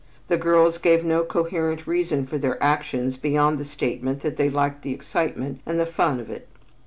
The girls gave no coherent reason for their actions beyond the statement that they liked the excitement and the fun of it.